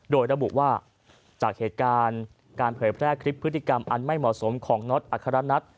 โดยระบุว่าจากเหตุการณ์การเผยแพร่คลิปพฤติกรรมอันไม่เหมาะสมของน็อตอัครนัท